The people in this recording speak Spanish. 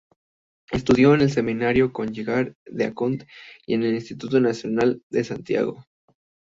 Estudió en el Seminario Conciliar de Ancud y en el Instituto Nacional en Santiago.